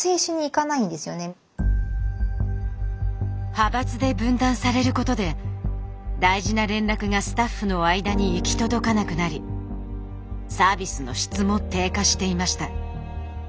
派閥で分断されることで大事な連絡がスタッフの間に行き届かなくなりサービスの質も低下していました。